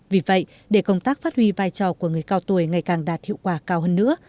vì vậy để công tác phát huy vai trò của người cao tuổi ngày càng đạt hiệu quả cao hơn nữa